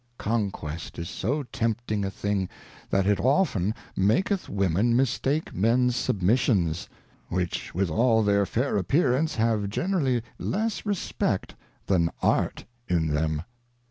Conquest is so tempting a thing, that it often maketh Women mistake Men's Submissions ; which with all their fair Appear ance, have generally less Respect than Art in them.